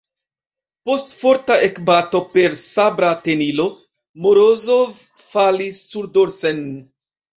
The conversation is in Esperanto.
Post forta ekbato per sabra tenilo Morozov falis surdorsen.